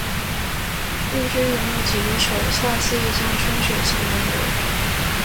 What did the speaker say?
问君能有几多愁？恰似一江春水向东流